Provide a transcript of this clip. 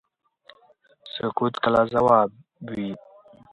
سکوت کله ځواب وي.